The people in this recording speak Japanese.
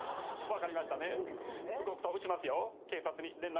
分かりましたね？